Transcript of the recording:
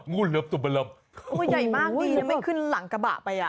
โอ้โหใหญ่มากดีนะไม่ขึ้นหลังกระบะไป